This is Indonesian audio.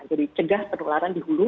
jadi cegah penularan di hulu